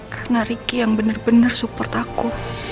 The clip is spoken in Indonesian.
karena ricky yang bener bener support aku